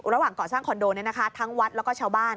ระหว่างก่อสร้างคอนโดทั้งวัดแล้วก็ชาวบ้าน